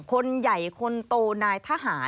คนใหญ่คนโตนายทหาร